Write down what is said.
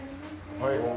はい。